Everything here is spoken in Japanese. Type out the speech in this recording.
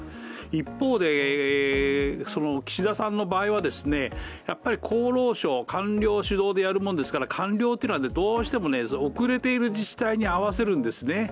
一方岸田さんの場合はですね、やっぱり厚労省官僚主導でやるもんですから官僚というのはどうしても遅れている自治体に合わせるんですね。